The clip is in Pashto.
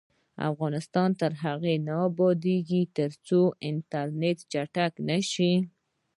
افغانستان تر هغو نه ابادیږي، ترڅو انټرنیټ چټک نشي.